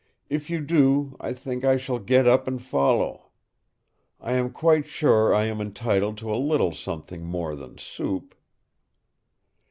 "If you do, I think I shall get up and follow. I am quite sure I am entitled to a little something more than soup."